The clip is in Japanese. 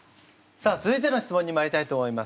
さあ続いての質問にまいりたいと思います。